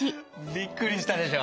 びっくりしたでしょ？